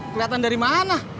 keliatan dari mana